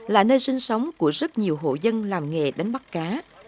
là nơi sinh sống của rất nhiều hộ dân làm nghề đánh bắt cá